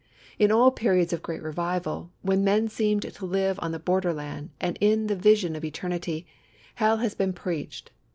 In all periods of great revival, when men seemed to live on the borderland, and in the vision of eternity, Hell has been preached.